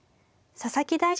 佐々木大地